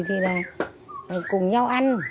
thì là cùng nhau ăn